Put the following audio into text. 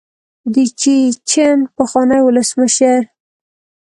د چیچن پخواني ولسمشر.